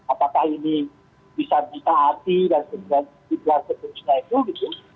apakah ini bisa ditarik dan sebagainya